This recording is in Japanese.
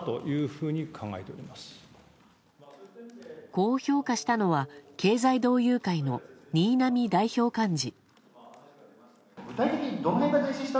こう評価したのは経済同友会の新浪代表幹事。